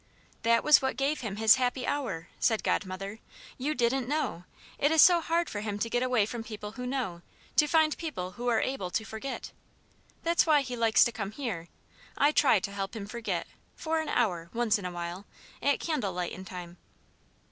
"That was what gave him his happy hour," said Godmother. "You didn't know! It is so hard for him to get away from people who know to find people who are able to forget. That's why he likes to come here; I try to help him forget, for an hour, once in a while, at 'candle lightin' time.'"